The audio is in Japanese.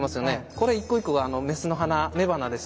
これ一個一個が雌の花雌花です。